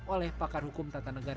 oleh pakar hukum tata negara refli harun